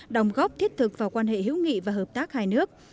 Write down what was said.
đồng góp thiết thực vào quan hệ hữu nghị và hợp tác hai nước